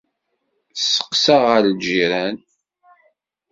Testeqsa ɣer ljiran.